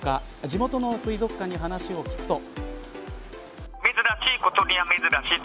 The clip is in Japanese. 地元の水族館に話を聞くと。